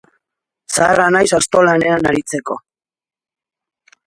Zaharra naiz asto lanean aritzeko.